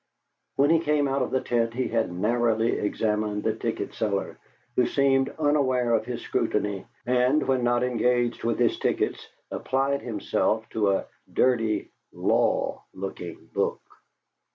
When he came out of the tent he had narrowly examined the ticket seller, who seemed unaware of his scrutiny, and, when not engaged with his tickets, applied himself to a dirty law looking book.